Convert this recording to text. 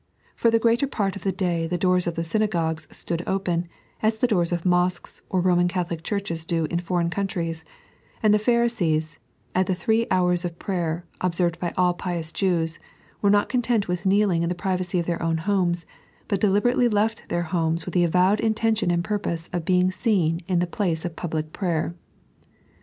For the greater part of the day the doors of the synagogues stood open, as the doors of mosques or Boman Catholic churches do in foreign countries ; and the Pharisees, at the three hours of prayer observed by all pious Jews, were not content with kneeling in the privacy of their own homes, but deliberately left their homes with the avowed intention and purpose of being seen in the place of public prayer.